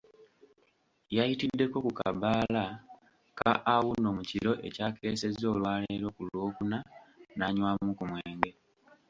Yayitiddeko mu Kabaala ka Auno mu kiro ekyakeesezza olwaleero ku Lwokuna nanywamu ku mwenge.